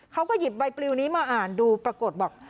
เขาก็หยิบใบปลิวนี้มาอ่านดูปรากฏบอก